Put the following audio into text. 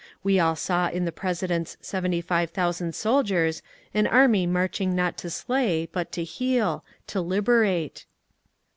We all saw in the President's seventy five thousand soldiers an army marching not to slay but to heal, to liberate.